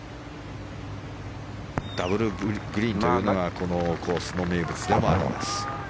ダブルグリーンというのがこのコースの名物でもあります。